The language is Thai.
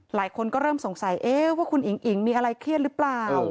หลายคนก็เริ่มสงสัยว่าคุณอิ๋งอิ๋งมีอะไรเครียดหรือเปล่า